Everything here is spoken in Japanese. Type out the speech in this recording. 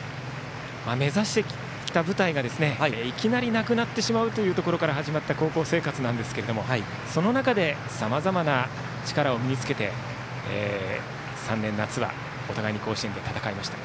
目指してきた舞台がいきなりなくなってしまうところから始まった高校生活なんですけれどもその中でさまざまな力を身につけて３年夏はお互いに甲子園で戦いました。